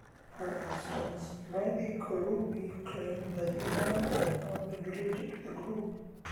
For instance, Mehdi Karroubi claimed that Iran had not been related to the group.